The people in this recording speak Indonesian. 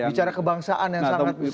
bicara kebangsaan yang sangat besar